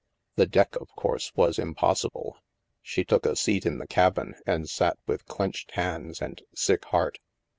The deck, of course, was impossible. She took a seat in the cabin and sat with clenched hands and sick heart.